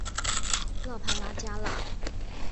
勒潘拉加朗。